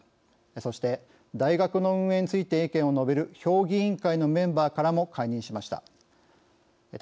そして、大学の運営について意見を述べる評議員会のメンバーからも解任しました。